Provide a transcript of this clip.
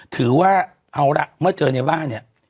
ถือว่าเอาละเมื่อเจอในบ้านเนี่ย